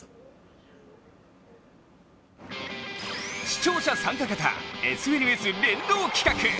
視聴者参加型ＳＮＳ連動企画！